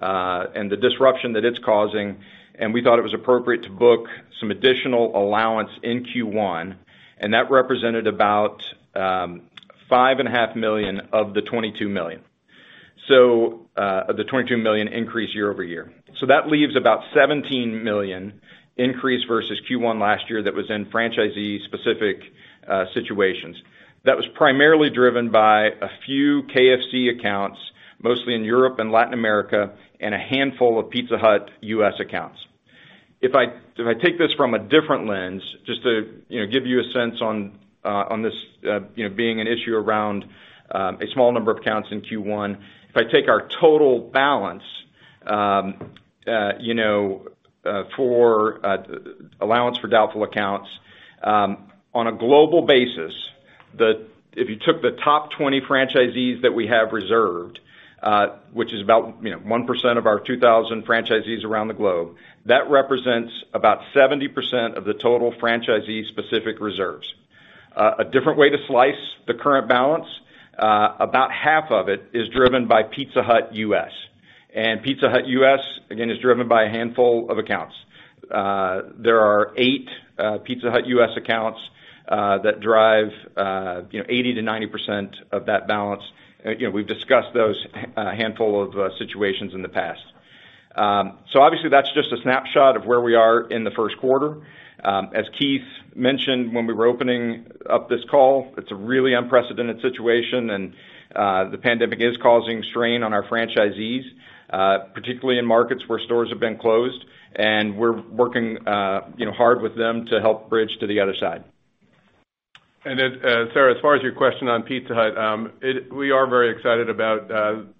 and the disruption that it's causing, and we thought it was appropriate to book some additional allowance in Q1, and that represented about $5.5 million of the $22 million increase year-over-year. That leaves about $17 million increase versus Q1 last year that was in franchisee-specific situations. That was primarily driven by a few KFC accounts. Mostly in Europe and Latin America, and a handful of Pizza Hut U.S. accounts. If I take this from a different lens, just to give you a sense on this being an issue around a small number of accounts in Q1, if I take our total balance for allowance for doubtful accounts on a global basis, if you took the top 20 franchisees that we have reserved, which is about 1% of our 2,000 franchisees around the globe, that represents about 70% of the total franchisee-specific reserves. A different way to slice the current balance, about half of it is driven by Pizza Hut U.S. Pizza Hut U.S., again, is driven by a handful of accounts. There are eight Pizza Hut U.S. accounts that drive 80%-90% of that balance. We've discussed those handful of situations in the past. Obviously, that's just a snapshot of where we are in the first quarter. As Keith mentioned when we were opening up this call, it's a really unprecedented situation. The pandemic is causing strain on our franchisees, particularly in markets where stores have been closed. We're working hard with them to help bridge to the other side.
Sara, as far as your question on Pizza Hut, we are very excited about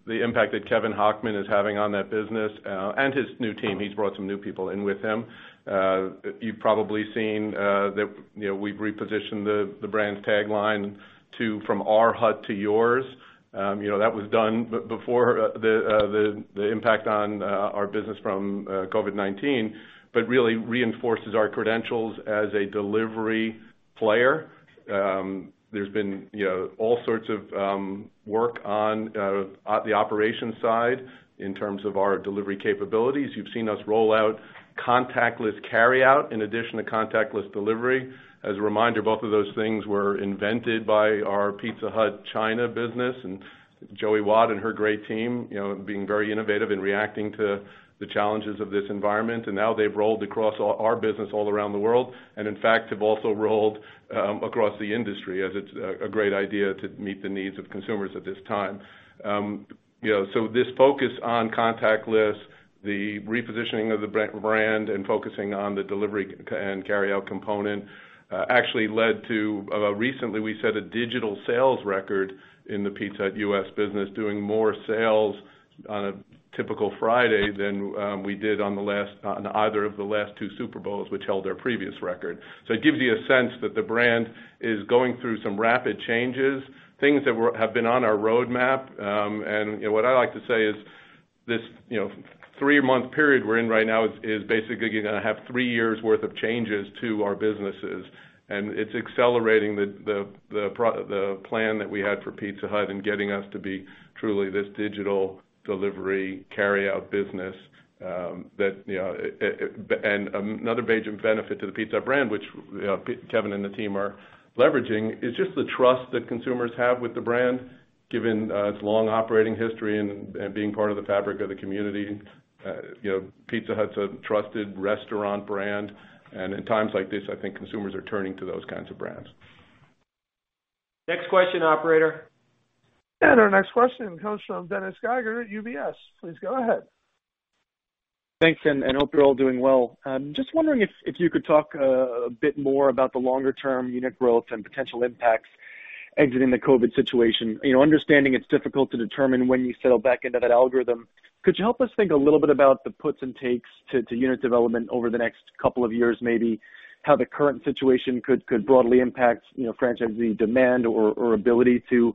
the impact that Kevin Hochman is having on that business, and his new team. He's brought some new people in with him. You've probably seen that we've repositioned the brand's tagline to, "From our hut to yours." That was done before the impact on our business from COVID-19, but really reinforces our credentials as a delivery player. There's been all sorts of work on the operations side in terms of our delivery capabilities. You've seen us roll out contactless carryout in addition to contactless delivery. As a reminder, both of those things were invented by our Pizza Hut China business, and Joey Wat and her great team being very innovative in reacting to the challenges of this environment. Now they've rolled across our business all around the world, and in fact, have also rolled across the industry as it's a great idea to meet the needs of consumers at this time. This focus on contactless, the repositioning of the brand, and focusing on the delivery and carryout component actually led to, recently we set a digital sales record in the Pizza Hut U.S. business, doing more sales on a typical Friday than we did on either of the last two Super Bowls, which held our previous record. It gives you a sense that the brand is going through some rapid changes, things that have been on our roadmap. What I like to say is this three-month period we're in right now is basically going to have three years' worth of changes to our businesses, and it's accelerating the plan that we had for Pizza Hut and getting us to be truly this digital delivery carryout business. Another benefit to the Pizza Hut brand, which Kevin and the team are leveraging, is just the trust that consumers have with the brand, given its long operating history and being part of the fabric of the community. Pizza Hut's a trusted restaurant brand, and in times like this, I think consumers are turning to those kinds of brands.
Next question, operator.
Our next question comes from Dennis Geiger at UBS. Please go ahead.
Thanks. Hope you're all doing well. Just wondering if you could talk a bit more about the longer-term unit growth and potential impacts exiting the COVID-19 situation. Understanding it's difficult to determine when you settle back into that algorithm, could you help us think a little bit about the puts and takes to unit development over the next couple of years, maybe how the current situation could broadly impact franchisee demand or ability to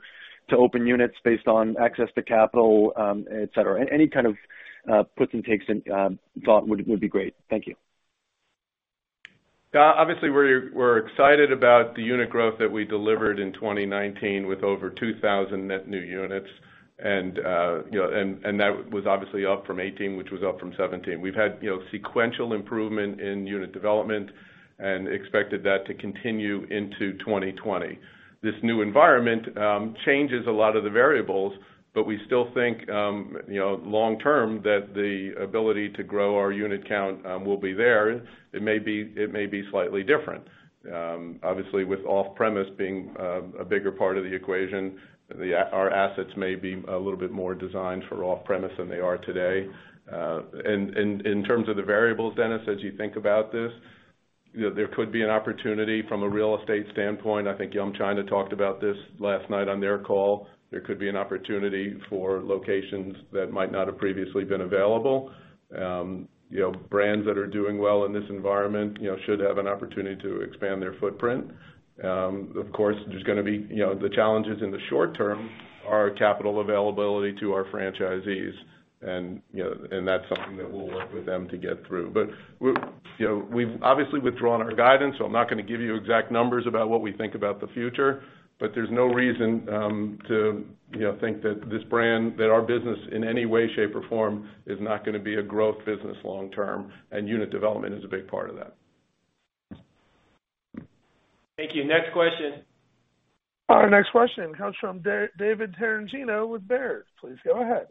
open units based on access to capital, et cetera? Any kind of puts and takes and thought would be great. Thank you.
Obviously, we're excited about the unit growth that we delivered in 2019 with over 2,000 net new units, and that was obviously up from 2018, which was up from 2017. We've had sequential improvement in unit development and expected that to continue into 2020. This new environment changes a lot of the variables, but we still think long-term that the ability to grow our unit count will be there. It may be slightly different. Obviously, with off-premise being a bigger part of the equation, our assets may be a little bit more designed for off-premise than they are today. In terms of the variables, Dennis, as you think about this, there could be an opportunity from a real estate standpoint. I think Yum China talked about this last night on their call. There could be an opportunity for locations that might not have previously been available. Brands that are doing well in this environment should have an opportunity to expand their footprint. Of course, the challenges in the short term are capital availability to our franchisees, and that's something that we'll work with them to get through. We've obviously withdrawn our guidance, so I'm not going to give you exact numbers about what we think about the future. There's no reason to think that this brand, that our business in any way, shape, or form is not going to be a growth business long term, and unit development is a big part of that.
Thank you. Next question.
Our next question comes from David Tarantino with Baird. Please go ahead.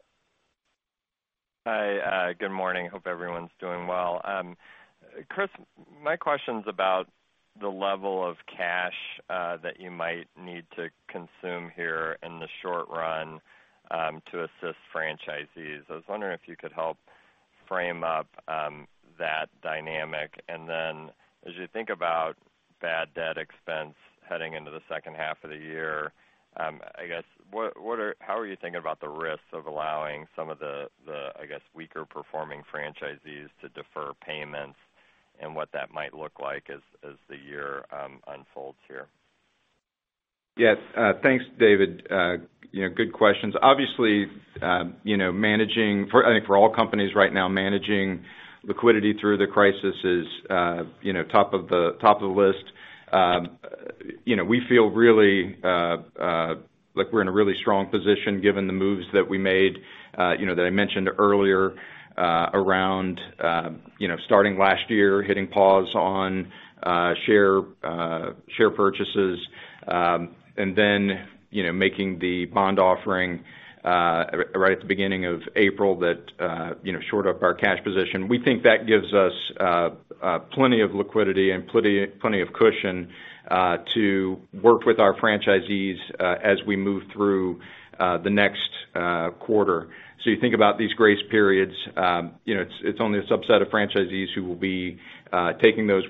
Hi, good morning. Hope everyone's doing well. Chris, my question's about the level of cash that you might need to consume here in the short run to assist franchisees. I was wondering if you could help frame up that dynamic. As you think about bad debt expense heading into the second half of the year, how are you thinking about the risks of allowing some of the weaker-performing franchisees to defer payments and what that might look like as the year unfolds here?
Yes. Thanks, David. Good questions. Obviously, you know, managing, I think for all companies right now, managing liquidity through the crisis is top of the list. We feel like we're in a really strong position given the moves that we made that I mentioned earlier around starting last year, hitting pause on share purchases, and then making the bond offering right at the beginning of April that shored up our cash position. We think that gives us plenty of liquidity and plenty of cushion to work with our franchisees as we move through the next quarter. You think about these grace periods, it's only a subset of franchisees who will be making those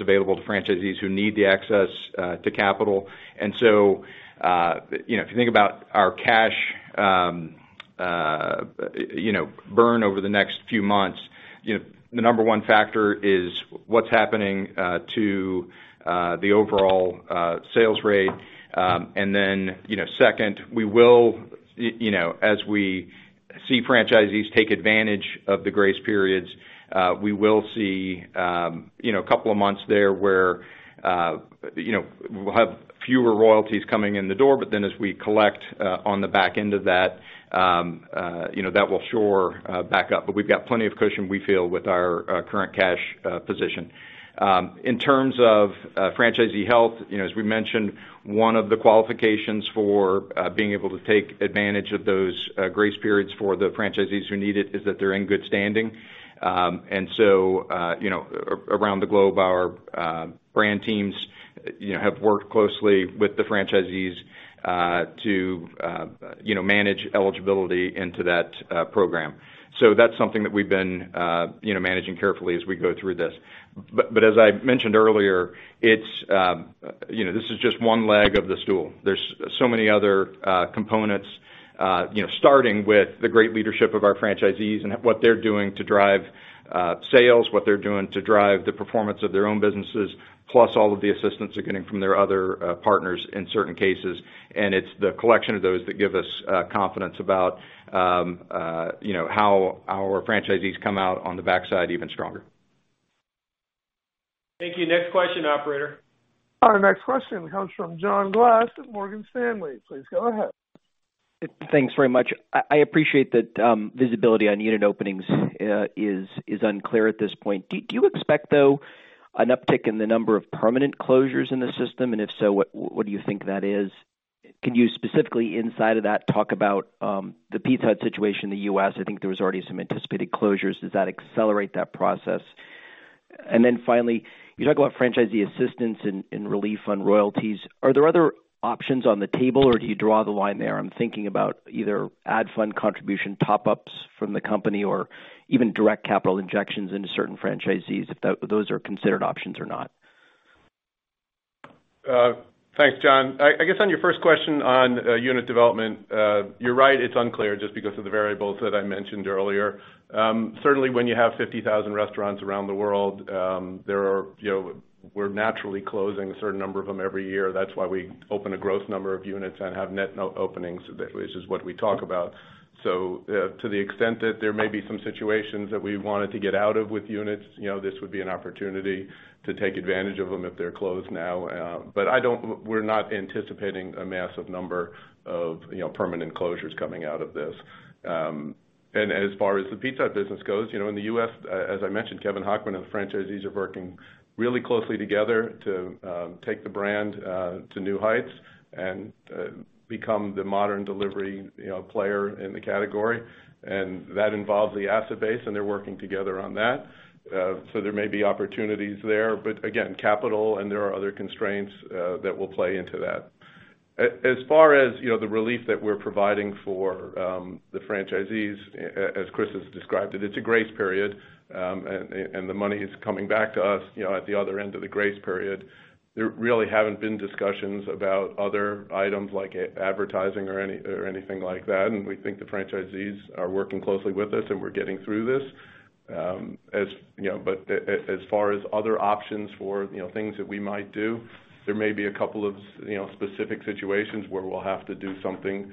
available to franchisees who need the access to capital. If you think about our cash burn over the next few months, the number 1 factor is what's happening to the overall sales rate. Second, as we see franchisees take advantage of the grace periods, we will see a couple of months there where we'll have fewer royalties coming in the door. As we collect on the back end of that will shore back up. We've got plenty of cushion, we feel, with our current cash position. In terms of franchisee health, as we mentioned, one of the qualifications for being able to take advantage of those grace periods for the franchisees who need it is that they're in good standing. Around the globe, our brand teams have worked closely with the franchisees to manage eligibility into that program. That's something that we've been managing carefully as we go through this. As I mentioned earlier, this is just one leg of the stool. There's so many other components, starting with the great leadership of our franchisees and what they're doing to drive sales, what they're doing to drive the performance of their own businesses, plus all of the assistance they're getting from their other partners in certain cases. It's the collection of those that give us confidence about how our franchisees come out on the backside even stronger.
Thank you. Next question, operator.
Our next question comes from John Glass at Morgan Stanley. Please go ahead.
Thanks very much. I appreciate that visibility on unit openings is unclear at this point. Do you expect, though, an uptick in the number of permanent closures in the system? If so, what do you think that is? Can you specifically inside of that talk about the Pizza Hut situation in the U.S.? I think there was already some anticipated closures. Does that accelerate that process? Finally, you talk about franchisee assistance and relief on royalties. Are there other options on the table, or do you draw the line there? I'm thinking about either ad fund contribution top-ups from the company or even direct capital injections into certain franchisees, if those are considered options or not.
Thanks, John. I guess on your first question on unit development, you're right, it's unclear just because of the variables that I mentioned earlier. Certainly, when you have 50,000 restaurants around the world, we're naturally closing a certain number of them every year. That's why we open a gross number of units and have net openings, which is what we talk about. To the extent that there may be some situations that we wanted to get out of with units, this would be an opportunity to take advantage of them if they're closed now. We're not anticipating a massive number of permanent closures coming out of this. As far as the Pizza Hut business goes, in the U.S., as I mentioned, Kevin Hochman and the franchisees are working really closely together to take the brand to new heights and become the modern delivery player in the category. That involves the asset base, and they're working together on that. There may be opportunities there, but again, capital and there are other constraints that will play into that. As far as the relief that we're providing for the franchisees, as Chris has described it's a grace period. The money is coming back to us at the other end of the grace period. There really haven't been discussions about other items like advertising or anything like that, and we think the franchisees are working closely with us, and we're getting through this. As far as other options for things that we might do, there may be a couple of specific situations where we'll have to do something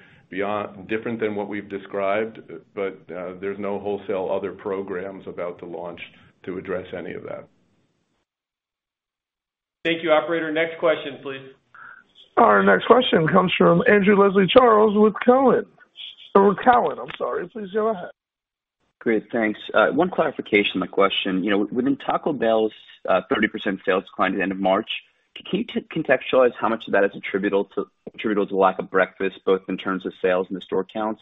different than what we've described, but there's no wholesale other programs about to launch to address any of that.
Thank you. Operator, next question, please.
Our next question comes from Andrew [Leslie] Charles with Cowen. Please go ahead.
Great. Thanks. One clarification on the question. Within Taco Bell's 30% sales decline at the end of March, can you contextualize how much of that is attributable to lack of breakfast, both in terms of sales and the store counts?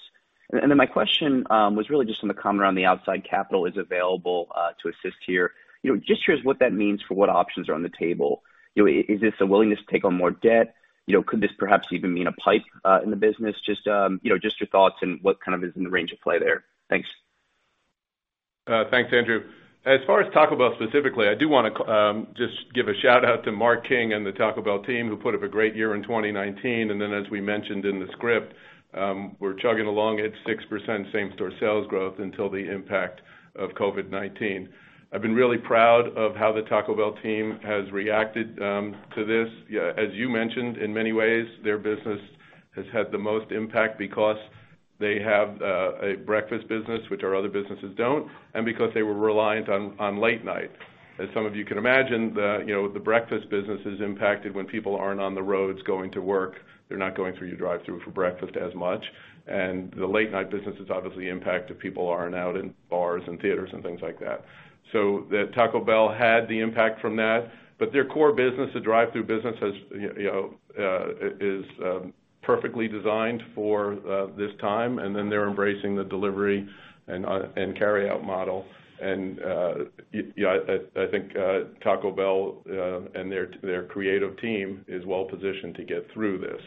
My question was really just on the comment around the outside capital is available to assist here. Just curious what that means for what options are on the table. Is this a willingness to take on more debt? Could this perhaps even mean a PIPE in the business? Just your thoughts and what is in the range of play there. Thanks.
Thanks, Andrew. As far as Taco Bell specifically, I do want to just give a shout-out to Mark King and the Taco Bell team, who put up a great year in 2019. Then as we mentioned in the script, we're chugging along at 6% same-store sales growth until the impact of COVID-19. I've been really proud of how the Taco Bell team has reacted to this. As you mentioned, in many ways, their business has had the most impact because they have a breakfast business, which our other businesses don't. Because they were reliant on late-night. As some of you can imagine, the breakfast business is impacted when people aren't on the roads going to work. They're not going through your drive-through for breakfast as much. The late-night business is obviously impacted. People aren't out in bars and theaters and things like that. Taco Bell had the impact from that. Their core business, the drive-through business, is perfectly designed for this time, and then they're embracing the delivery and carry-out model. I think Taco Bell and their creative team is well-positioned to get through this.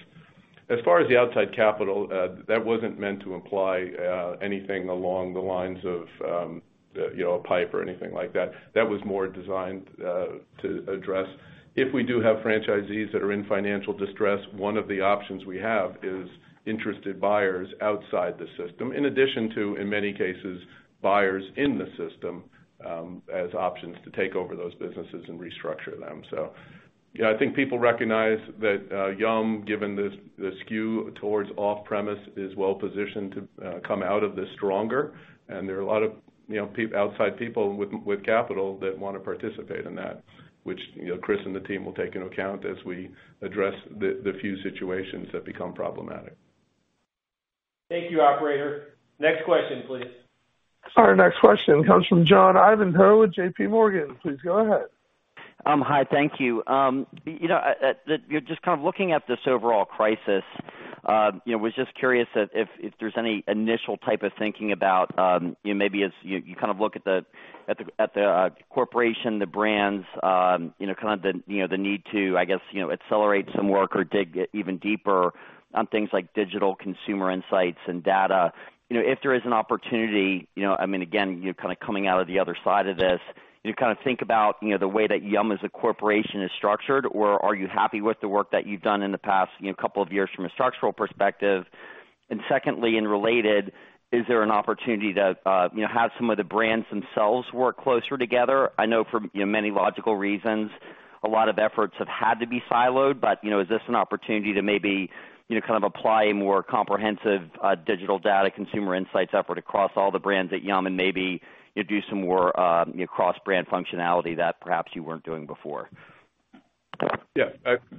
As far as the outside capital, that wasn't meant to imply anything along the lines of a PIPE or anything like that. That was more designed to address if we do have franchisees that are in financial distress, one of the options we have is interested buyers outside the system, in addition to, in many cases, buyers in the system as options to take over those businesses and restructure them. I think people recognize that Yum!, given the skew towards off-premise, is well positioned to come out of this stronger, and there are a lot of outside people with capital that want to participate in that, which Chris and the team will take into account as we address the few situations that become problematic.
Thank you, Operator. Next question, please.
Our next question comes from John Ivankoe with JPMorgan. Please go ahead.
Hi, thank you. Just kind of looking at this overall crisis, was just curious if there's any initial type of thinking about maybe as you look at the corporation, the brands, the need to, I guess, accelerate some work or dig even deeper on things like digital consumer insights and data. If there is an opportunity, again, you're coming out of the other side of this, you think about the way that Yum! as a corporation is structured, or are you happy with the work that you've done in the past couple of years from a structural perspective? Secondly, and related, is there an opportunity to have some of the brands themselves work closer together? I know for many logical reasons, a lot of efforts have had to be siloed. Is this an opportunity to maybe apply a more comprehensive digital data consumer insights effort across all the brands at Yum! and maybe do some more cross-brand functionality that perhaps you weren't doing before?
Yeah.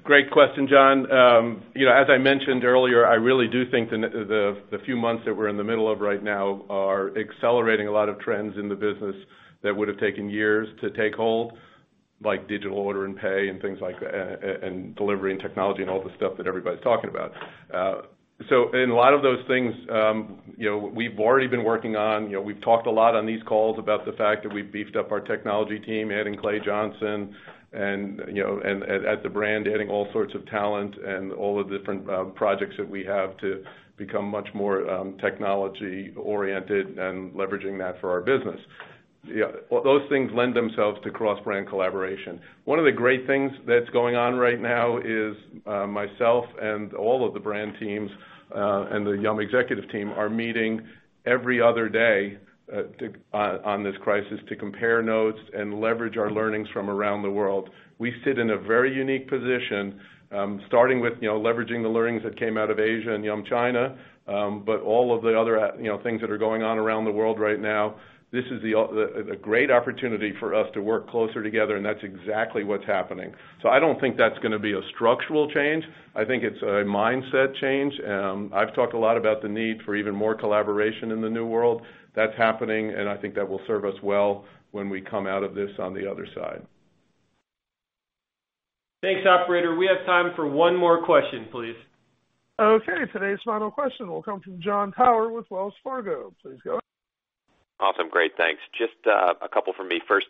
Great question, John. As I mentioned earlier, I really do think the few months that we're in the middle of right now are accelerating a lot of trends in the business that would have taken years to take hold, like digital order and pay and things like that, and delivery and technology and all the stuff that everybody's talking about. A lot of those things we've already been working on. We've talked a lot on these calls about the fact that we've beefed up our technology team, adding Clay Johnson, and at the brand, adding all sorts of talent and all the different projects that we have to become much more technology-oriented and leveraging that for our business. Those things lend themselves to cross-brand collaboration. One of the great things that's going on right now is myself and all of the brand teams and the Yum! executive team are meeting every other day on this crisis to compare notes and leverage our learnings from around the world. We sit in a very unique position, starting with leveraging the learnings that came out of Asia and Yum China, but all of the other things that are going on around the world right now. This is a great opportunity for us to work closer together, and that's exactly what's happening. I don't think that's going to be a structural change. I think it's a mindset change. I've talked a lot about the need for even more collaboration in the new world. That's happening, and I think that will serve us well when we come out of this on the other side.
Thanks, operator. We have time for one more question, please.
Okay. Today's final question will come from Jon Tower with Wells Fargo. Please go ahead.
Awesome. Great. Thanks. Just a couple from me. First,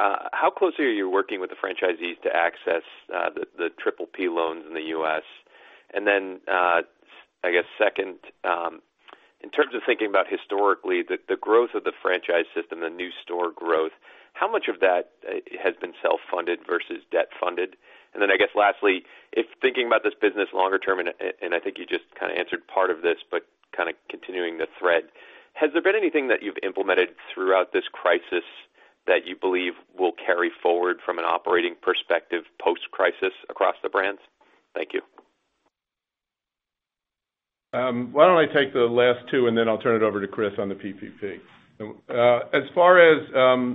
how closely are you working with the franchisees to access the PPP loans in the U.S.? I guess second, in terms of thinking about historically, the growth of the franchise system, the new store growth, how much of that has been self-funded versus debt-funded? I guess lastly, if thinking about this business longer term, and I think you just answered part of this, but continuing the thread, has there been anything that you've implemented throughout this crisis that you believe will carry forward from an operating perspective post-crisis across the brands? Thank you.
Why don't I take the last two, and then I'll turn it over to Chris on the PPP. As far as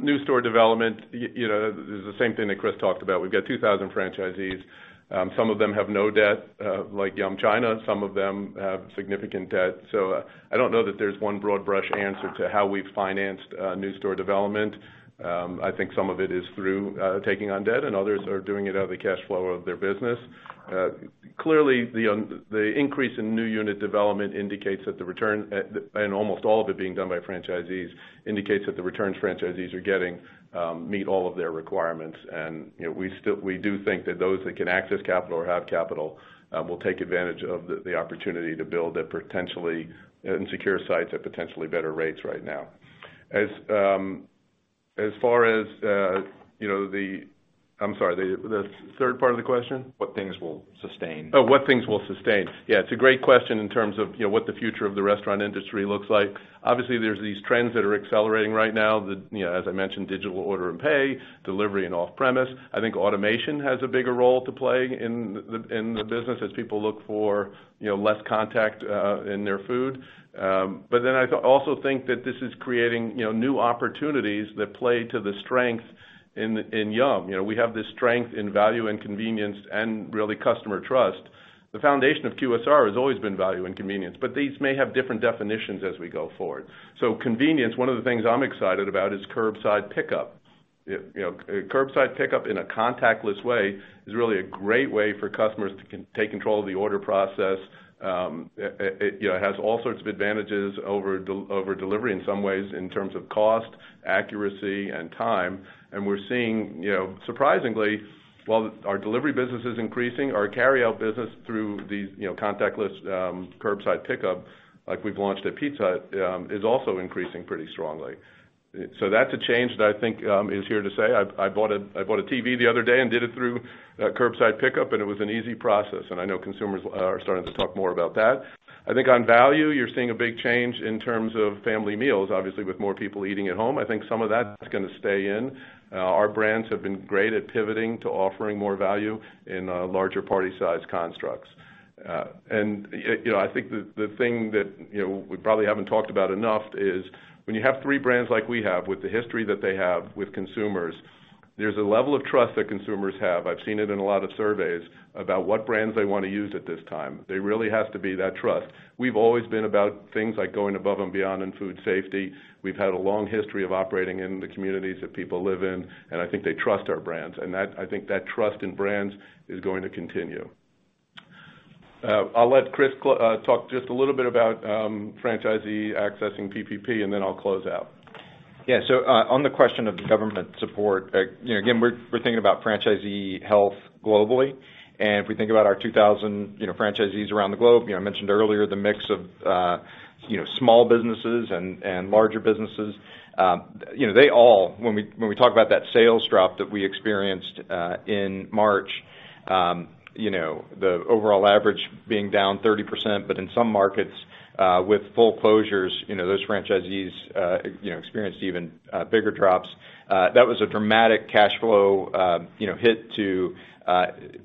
new store development, this is the same thing that Chris talked about. We've got 2,000 franchisees. Some of them have no debt, like Yum China. Some of them have significant debt. I don't know that there's one broad brush answer to how we've financed new store development. I think some of it is through taking on debt, and others are doing it out of the cash flow of their business. Clearly, the increase in new unit development and almost all of it being done by franchisees indicates that the returns franchisees are getting meet all of their requirements. We do think that those that can access capital or have capital will take advantage of the opportunity to build and secure sites at potentially better rates right now. As far as the I'm sorry, the third part of the question?
What things will sustain.
What things will sustain. Yeah, it's a great question in terms of what the future of the restaurant industry looks like. Obviously, there's these trends that are accelerating right now. As I mentioned, digital order and pay, delivery and off-premise. I think automation has a bigger role to play in the business as people look for less contact in their food. I also think that this is creating new opportunities that play to the strength in Yum! We have this strength in value and convenience and really customer trust. The foundation of QSR has always been value and convenience, these may have different definitions as we go forward. Convenience, one of the things I'm excited about is curbside pickup. Curbside pickup in a contactless way is really a great way for customers to take control of the order process. It has all sorts of advantages over delivery in some ways in terms of cost, accuracy, and time. We're seeing, surprisingly, while our delivery business is increasing, our carryout business through these contactless curbside pickup, like we've launched at Pizza Hut, is also increasing pretty strongly. That's a change that I think is here to stay. I bought a TV the other day and did it through curbside pickup, and it was an easy process, and I know consumers are starting to talk more about that. I think on value, you're seeing a big change in terms of family meals, obviously, with more people eating at home. I think some of that is going to stay in. Our brands have been great at pivoting to offering more value in larger party size constructs. I think the thing that we probably haven't talked about enough is when you have three brands like we have with the history that they have with consumers, there's a level of trust that consumers have. I've seen it in a lot of surveys about what brands they want to use at this time. There really has to be that trust. We've always been about things like going above and beyond in food safety. We've had a long history of operating in the communities that people live in, and I think they trust our brands. I think that trust in brands is going to continue. I'll let Chris talk just a little bit about franchisee accessing PPP, and then I'll close out.
Yeah. On the question of government support, again, we're thinking about franchisee health globally. If we think about our 2,000 franchisees around the globe, I mentioned earlier the mix of small businesses and larger businesses. When we talk about that sales drop that we experienced in March, the overall average being down 30%, but in some markets with full closures, those franchisees experienced even bigger drops. That was a dramatic cash flow hit to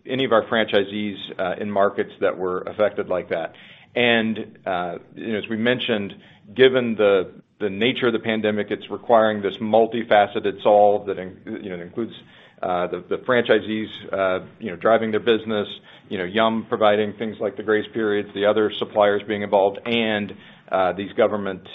any of our franchisees in markets that were affected like that. As we mentioned, given the nature of the pandemic, it's requiring this multifaceted solve that includes the franchisees driving their business, Yum! providing things like the grace periods, the other suppliers being involved, and these government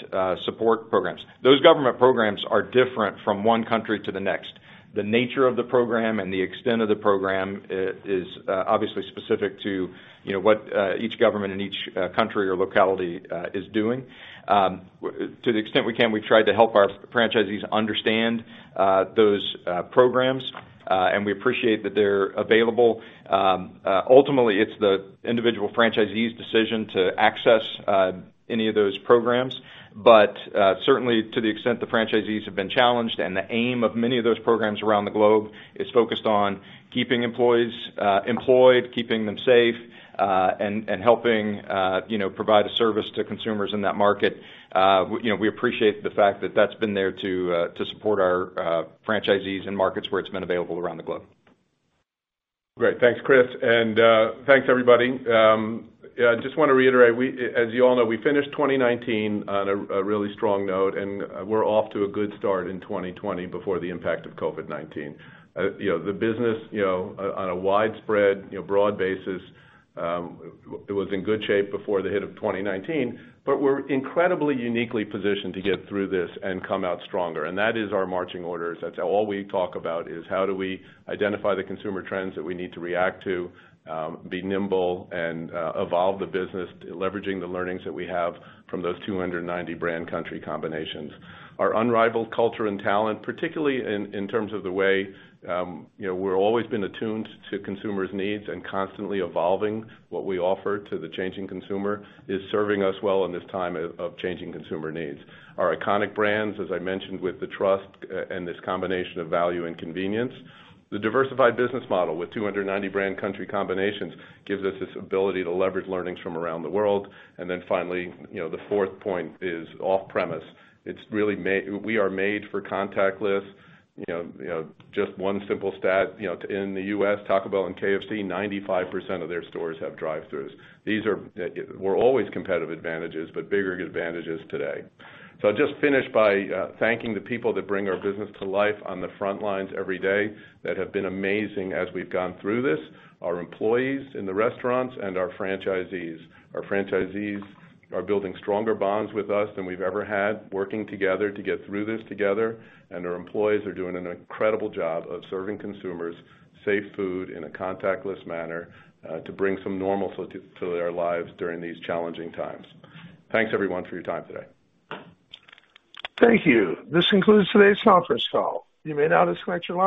support programs. Those government programs are different from one country to the next. The nature of the program and the extent of the program is obviously specific to what each government in each country or locality is doing. To the extent we can, we've tried to help our franchisees understand those programs, and we appreciate that they're available. Ultimately, it's the individual franchisee's decision to access any of those programs. Certainly, to the extent the franchisees have been challenged and the aim of many of those programs around the globe is focused on keeping employees employed, keeping them safe, and helping provide a service to consumers in that market. We appreciate the fact that that's been there to support our franchisees in markets where it's been available around the globe.
Great. Thanks, Chris. Thanks, everybody. I just want to reiterate, as you all know, we finished 2019 on a really strong note, and we're off to a good start in 2020 before the impact of COVID-19. The business on a widespread, broad basis was in good shape before the hit of 2019. We're incredibly uniquely positioned to get through this and come out stronger. That is our marching orders. That's all we talk about is how do we identify the consumer trends that we need to react to, be nimble, and evolve the business, leveraging the learnings that we have from those 290 brand country combinations. Our unrivaled culture and talent, particularly in terms of the way we're always been attuned to consumers' needs and constantly evolving what we offer to the changing consumer is serving us well in this time of changing consumer needs. Our iconic brands, as I mentioned, with the trust and this combination of value and convenience. The diversified business model with 290 brand country combinations gives us this ability to leverage learnings from around the world. Finally, the fourth point is off-premise. We are made for contactless. Just one simple stat, in the U.S., Taco Bell and KFC, 95% of their stores have drive-throughs. These were always competitive advantages, but bigger advantages today. I'll just finish by thanking the people that bring our business to life on the front lines every day that have been amazing as we've gone through this, our employees in the restaurants, and our franchisees. Our franchisees are building stronger bonds with us than we've ever had, working together to get through this together. Our employees are doing an incredible job of serving consumers safe food in a contactless manner to bring some normalcy to their lives during these challenging times. Thanks, everyone, for your time today.
Thank you. This concludes today's conference call. You may now disconnect your line.